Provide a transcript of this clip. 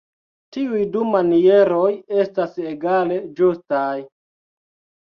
Tiuj du manieroj estas egale ĝustaj.